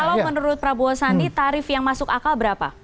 kalau menurut prabowo sandi tarif yang masuk akal berapa